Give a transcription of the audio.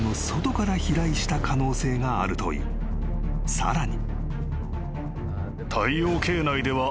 ［さらに］